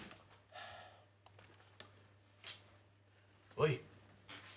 おい！